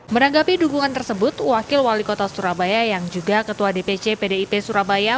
menanggapi dukungan tersebut wakil wali kota surabaya yang juga ketua dpc pdip surabaya